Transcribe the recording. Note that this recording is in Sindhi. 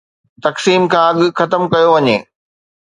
تقسيم کان اڳ ختم ڪيو وڃي.